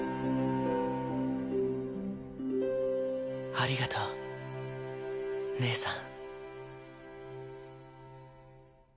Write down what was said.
ありがとう義姉さん。